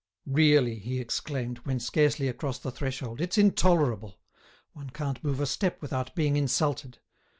"Really," he exclaimed, when scarcely across the threshold, "it's intolerable; one can't move a step without being insulted."